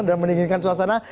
dan meninggikan suasana